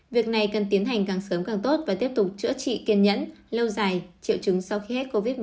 việc này cần tiến hành càng sớm càng tốt và tiếp tục chữa trị kiên nhẫn lâu dài triệu chứng sau khi hết covid một mươi chín